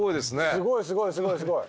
すごいすごいすごいすごい。